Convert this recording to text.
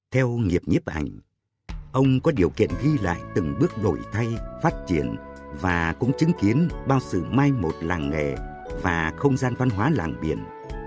theo nghiệp nhiếp ảnh ông có điều kiện ghi lại từng bước đổi thay phát triển và cũng chứng kiến bao sự mai một làng nghề và không gian văn hóa làng biển